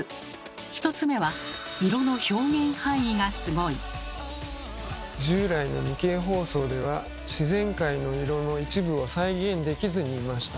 １つ目は従来の２Ｋ放送では自然界の色の一部を再現できずにいました。